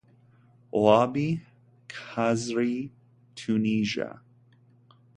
Wahbi Khazri (Tunisia)